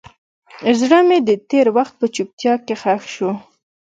زړه مې د تېر وخت په چوپتیا کې ښخ شو.